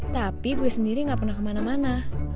tapi gue sendiri gak pernah kemana mana